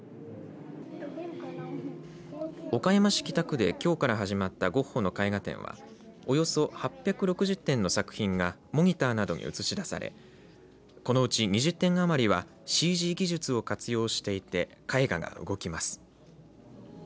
岡山市北区できょうから始まったゴッホの絵画展はおよそ８６０点の作品がモニターなどに映し出されこのうち２０点余りはＣＧ技術を活用していて絵画が動きます。